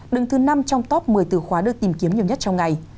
đứng thứ năm trong top một mươi từ khóa được tìm kiếm nhiều nhất trong ngày